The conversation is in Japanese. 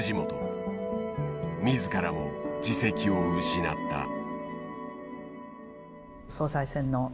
自らも議席を失った。